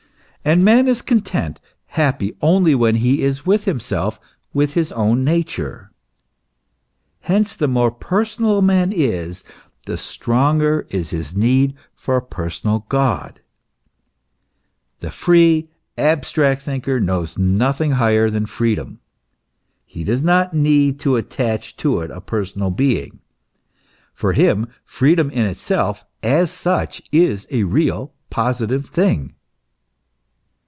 And man is content, happy, only when he is with himself, with his own nature. Hence, the more personal a man is, the stronger is his need of a personal God. The free, abstract thinker knows nothing higher than freedom ; he does not need to attach it to a personal being ; for him freedom in it self, as such, is a real positive thing.